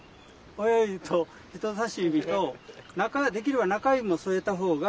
親指と人さし指とできれば中指も添えたほうが安定します。